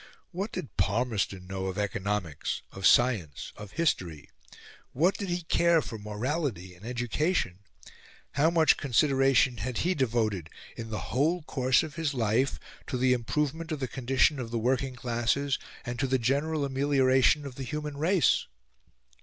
What did Palmerston know of economics, of science, of history? What did he care for morality and education? How much consideration had he devoted in the whole course of his life to the improvement of the condition of the working classes and to the general amelioration of the human race?